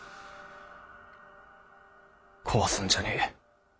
壊すんじゃねえ。